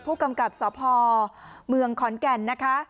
ผู้กำกับสพเมืองขอนแก่นนะคะ